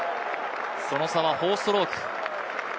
その差は４ストローク。